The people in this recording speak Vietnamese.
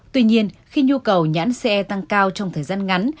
tuy nhiên khi nhu cầu nhãn ce tăng cao trong thời gian ngắn